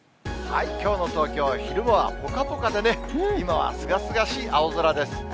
きょうの東京は昼間はぽかぽかでね、今はすがすがしい青空です。